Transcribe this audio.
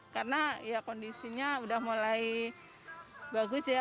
karena ya kondisinya udah mulai bagus ya